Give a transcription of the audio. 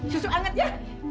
susu anget ya